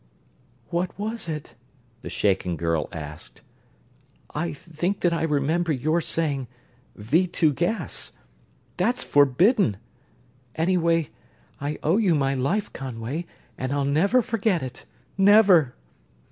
"What was it?" the shaken girl asked. "I think that I remember your saying 'Vee Two gas.' That's forbidden! Anyway, I owe you my life, Conway, and I'll never forget it never.